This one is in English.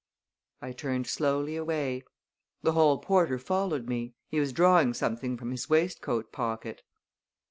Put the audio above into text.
I turned slowly away. The hall porter followed me. He was drawing something from his waistcoat pocket.